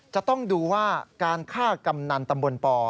จะต้องดูว่าการฆ่ากำนันตำบลป